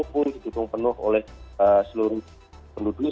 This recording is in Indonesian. dan kebijakan itu selalu pun didukung penuh oleh seluruh penduduk